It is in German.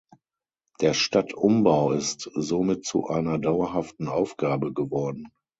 Der Stadtumbau ist somit zu einer dauerhaften Aufgabe geworden.